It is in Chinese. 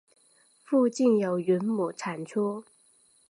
附近有云母产出。